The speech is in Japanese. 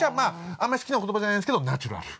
あんまり好きな言葉じゃないんですけどナチュラル。